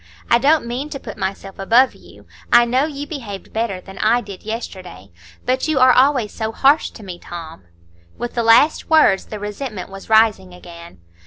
I don't mean to put myself above you; I know you behaved better than I did yesterday. But you are always so harsh to me, Tom." With the last words the resentment was rising again.